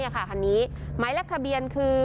คันนี้ไหมลักทะเบียนคือ